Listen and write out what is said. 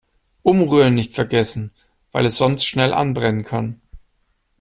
Umrühren nicht vergessen, weil es sonst schnell anbrennen kann.